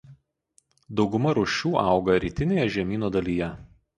Dauguma rūšių auga rytinėje žemyno dalyje.